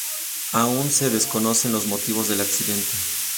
Aún se desconocen los motivos del accidente.